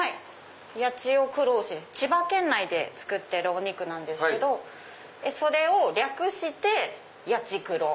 八千代黒牛千葉県内で作ってるお肉なんですけどそれを略してヤチクロ。